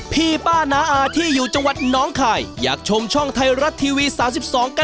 ตามที่อยู่นี้เด้อ